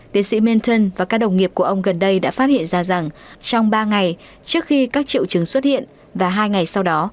tiến sĩ menton và các đồng nghiệp của ông gần đây đã phát hiện ra rằng trong ba ngày trước khi các triệu chứng xuất hiện và hai ngày sau đó